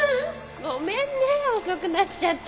ごめんね遅くなっちゃって。